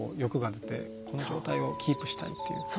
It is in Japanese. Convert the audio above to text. この状態をキープしたいって。